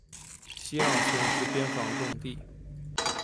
西让村是边防重地。